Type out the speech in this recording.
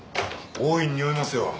大いににおいますよ。